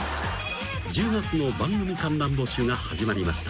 ［１０月の番組観覧募集が始まりました］